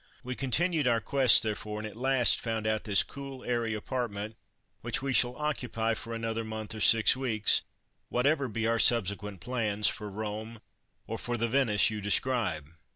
We continued our quest, therefore, and at last found out this cool, airy apartment, which we shall occupy for another month or six weeks, whatever be our subsequent plans, for Rome, or for the Venice you describe....